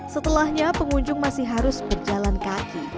setelahnya pengunjung masih harus berjalan kaki